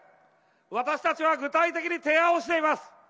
私たちは具体的に提案をしています。